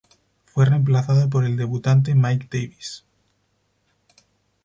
Fue reemplazado por el debutante Mike Davis.